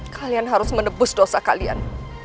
kalian harus menebus dosa kalian